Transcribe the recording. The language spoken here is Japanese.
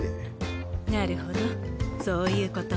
なるほどそういうこと。